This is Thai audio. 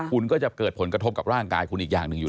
คุณก็จะเกิดผลกระทบกับร่างกายคุณอีกอย่างหนึ่งอยู่